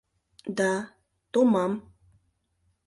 Да, томам.